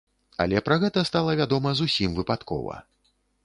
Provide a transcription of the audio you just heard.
Але пра гэта стала вядома зусім выпадкова.